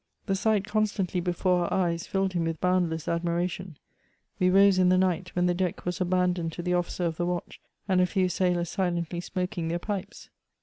The sight constantly before our eyes filled him with boundless admira tion ; we rose in the night, when the deck was abandoned to the officer of the watch, and a few sailors silently smoking their pipes.